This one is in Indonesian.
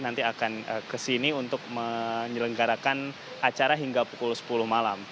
nanti akan kesini untuk menyelenggarakan acara hingga pukul sepuluh malam